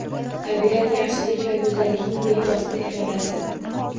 Tabiat – yaxshilik va go’zallikning bevosita ifodasi.